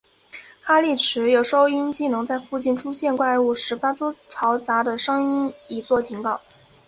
哈利持有的收音机能在附近出现怪物时发出嘈杂的声音以作警告。